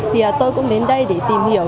thì tôi cũng đến đây để tìm hiểu